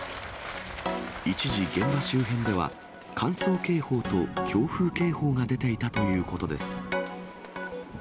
一時、現場周辺では、乾燥警報と強風警報が出ていたということです。